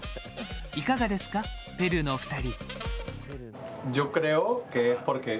いかがですか、ペルーのお二人？